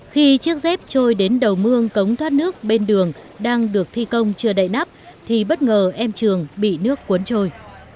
khi chiếc dép trôi đến đầu mương cống thoát nước bên đường đang được thi công chưa đậy nắp thì bất ngờ em trường bị nước cuốn trôi